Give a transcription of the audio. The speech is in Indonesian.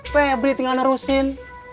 febri tinggal narusin